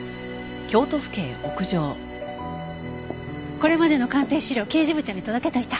これまでの鑑定資料刑事部長に届けといた。